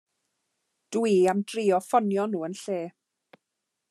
Dw i am drio'u ffonio nhw yn lle.